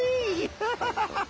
グハハハハ！